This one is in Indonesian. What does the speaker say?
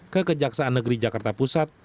ke kejaksaan negeri jakarta pusat